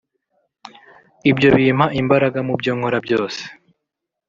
ibyo bimpa imbaraga mu byo nkora byose